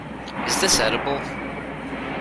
Is this edible?